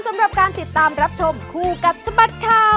ไม่ได้พูดอะไรเลยอ่ะ